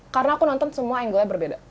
karena aku nonton semua angle nya berbeda